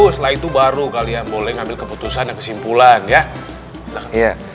setelah itu baru kalian boleh ngambil keputusan dan kesimpulan ya silahkan